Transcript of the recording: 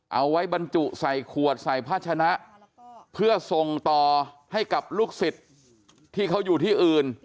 บรรจุใส่ขวดใส่ผ้าชนะเพื่อส่งต่อให้กับลูกศิษย์ที่เขาอยู่ที่อื่น